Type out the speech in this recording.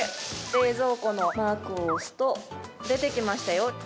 冷蔵庫のマークを押すと出てきましたよ。